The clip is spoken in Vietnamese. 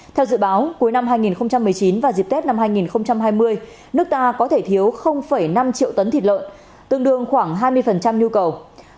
theo dự báo cuối năm hai nghìn một mươi chín và dịp tết năm hai nghìn hai mươi nước ta có thể thiếu năm triệu tấn thịt lợn tương đương khoảng hai mươi nhu cầu